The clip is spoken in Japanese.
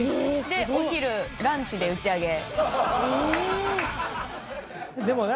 でお昼ランチで打ち上げ。